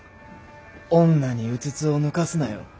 女にうつつを抜かすなよ。